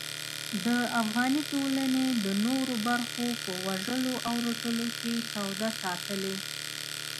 د افغاني ټولنې د نورو برخو په وژلو او رټلو کې توده ساتلې.